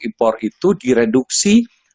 import itu direduksi